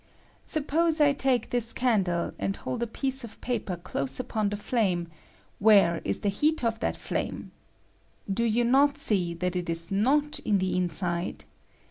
Suppose I take this candle, and hold a piece of paper dose upon the flame, where is the heat of that flame? Do you not see that it is not in the inside?